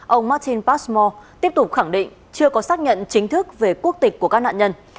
ông martin pasmo tiếp tục khẳng định chưa có xác nhận chính thức về quốc tịch của các nạn nhân